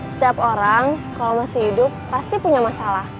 setiap orang kalau masih hidup pasti punya masalah